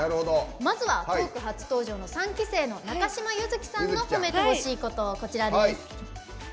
まずはトーク初登場の３期生の中嶋優月さんの褒めてほしいこと、こちらです。